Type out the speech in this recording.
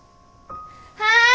はい。